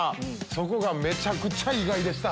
そこがめちゃくちゃ意外でした。